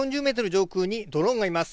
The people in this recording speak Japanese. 上空にドローンがいます。